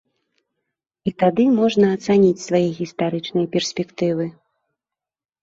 І тады можна ацаніць свае гістарычныя перспектывы.